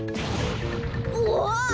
うわ。